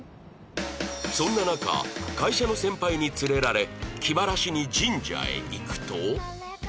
そんな中会社の先輩に連れられ気晴らしに神社へ行くと